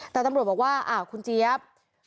แต่ตำรวจบอกว่าอ้าวคุณเจี๊ยบ